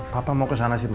papa mau kesana sih ma